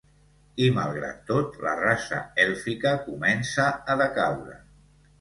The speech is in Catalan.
I malgrat tot, la raça èlfica començà a decaure.